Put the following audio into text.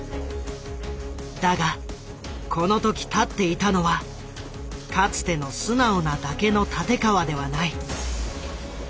だがこの時立っていたのはかつての素直なだけの立川ではない。